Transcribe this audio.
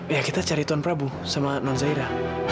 ya kita cari tuan prabu sama tuan zahira